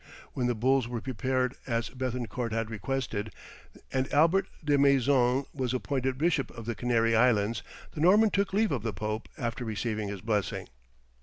When the bulls were prepared as Béthencourt had requested, and Albert des Maisons was appointed Bishop of the Canary Islands, the Norman took leave of the Pope after receiving his blessing.